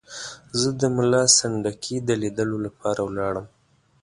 زه د ملا سنډکي د لیدلو لپاره ولاړم.